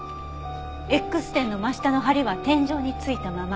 Ｘ点の真下の梁は天井についたまま。